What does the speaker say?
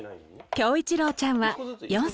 匡一郎ちゃんは４歳。